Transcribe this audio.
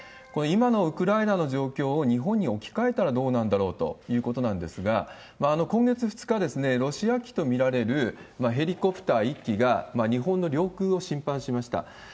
この今のウクライナの状況を日本に置き換えたらどうなんだろうということなんですが、今月２日、ロシア機と見られるヘリコプター１機が日本の領空を侵犯しました。